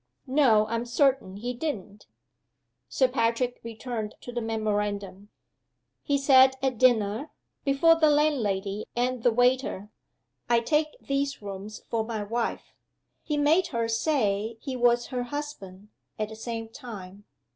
"No. I'm certain he didn't." Sir Patrick returned to the memorandum. "'He said at dinner, before the landlady and the waiter, I take these rooms for my wife. He made her say he was her husband, at the same time.